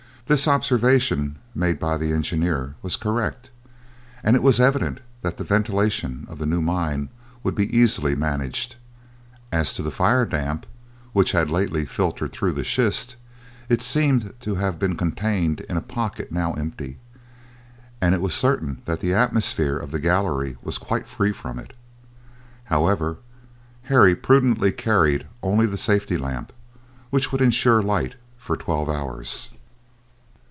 This observation, made by the engineer, was correct, and it was evident that the ventilation of the new mine would be easily managed. As to the fire damp which had lately filtered through the schist, it seemed to have been contained in a pocket now empty, and it was certain that the atmosphere of the gallery was quite free from it. However, Harry prudently carried only the safety lamp, which would insure light for twelve hours.